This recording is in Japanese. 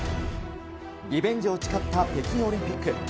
リベンジを誓った北京オリンピック。